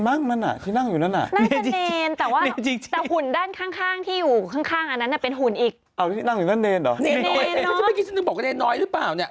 แล้วเดนเน้อยมานั่งสมาธิอะไรตรงส้มหยุดล่ะ